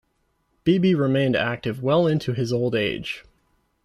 Beebe remained active well into his old age.